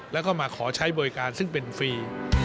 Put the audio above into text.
แล้วก็มาขอใช้บริการซึ่งเป็นฟรี